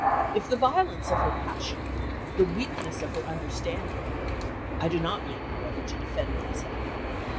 If the violence of her passion, the weakness of her understanding I do not mean, however, to defend myself.